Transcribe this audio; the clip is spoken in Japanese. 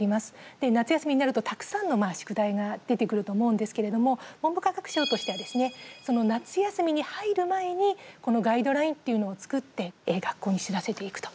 で、夏休みになるとたくさんの宿題が出てくると思うんですけれども文部科学省としてはですねその夏休みに入る前にこのガイドラインっていうのを作って、学校に知らせていくと。